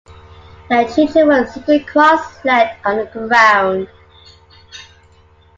The children were sitting cross-legged on the ground.